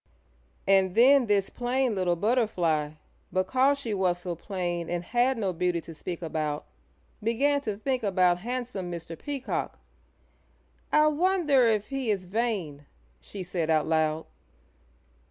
And then this plain little Butterfly, because she was so plain and had no beauty to speak about, began to think about handsome Mr. Peacock. "I wonder if he is vain?" she said out loud.